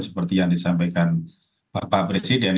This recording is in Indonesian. seperti yang disampaikan pak presiden